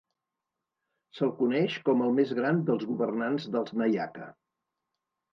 Se'l coneix com el més gran dels governants dels Nayaka.